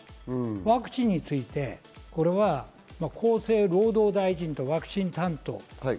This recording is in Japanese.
ワクチンについて、厚生労働大臣とワクチン担当。